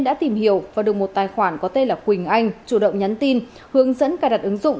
đã tìm hiểu và được một tài khoản có tên là quỳnh anh chủ động nhắn tin hướng dẫn cài đặt ứng dụng